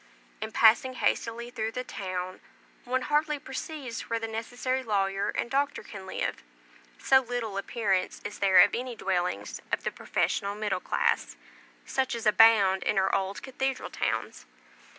In passing hastily through the town, one hardly perceives where the necessary lawyer and doctor can live, so little appearance is there of any dwellings of the professional middle class, such as abound in our old cathedral towns.